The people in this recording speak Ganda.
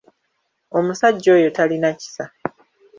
Omusajja oyo talina kisa!